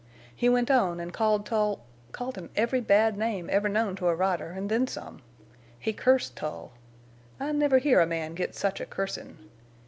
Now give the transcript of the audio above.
He went on an' called Tull—called him every bad name ever known to a rider, an' then some. He cursed Tull. I never hear a man get such a cursin'.